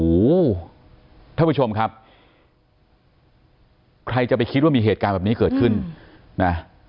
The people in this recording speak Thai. โอ้โหท่านผู้ชมครับใครจะไปคิดว่ามีเหตุการณ์แบบนี้เกิดขึ้นนะ